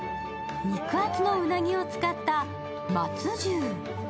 肉厚のうなぎを使った松重。